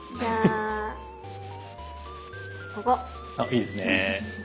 あっいいですね。